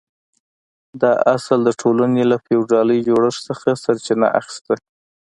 دا اصل د ټولنې له فیوډالي جوړښت څخه سرچینه اخیسته.